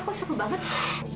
aku suka banget